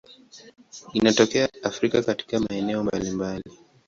Inatokea Afrika katika maeneo mbalimbali.